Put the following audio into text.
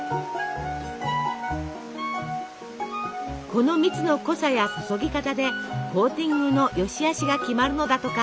この蜜の濃さや注ぎ方でコーティングの善しあしが決まるのだとか。